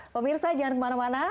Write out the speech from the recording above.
pemirsa jangan kemana mana